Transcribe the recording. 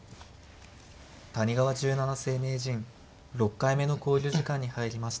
谷川十七世名人６回目の考慮時間に入りました。